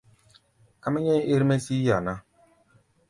Ká mɛ́ nyɛ̧́í̧ ér-mɛ́ sí yí-a ná.